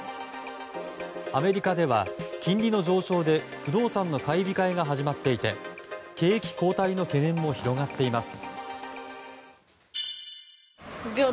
アメリカでは、金利の上昇で不動産の買い控えが始まっていて景気後退の懸念も広がっています。